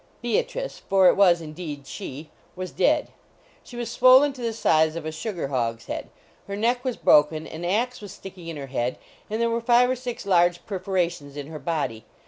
Beatrice for it was indeed she was dead. She was swollen to the size of a sugar hogs head, her neck was broken, an ax was stick ing in her head, and there were five or six large perforations in her body.